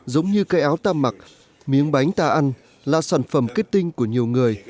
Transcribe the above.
giống như cây áo ta mặc miếng bánh ta ăn là sản phẩm kết tinh của nhiều người